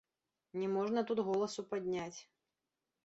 Не можна тут голасу падняць.